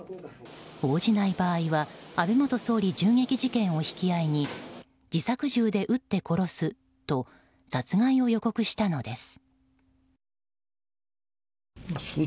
応じない場合は安倍元総理銃撃事件を引き合いに自作銃で撃って殺すと殺害を予告したのです。